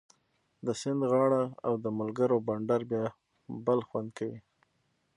د سیند غاړه او د ملګرو بنډار بیا بل خوند کوي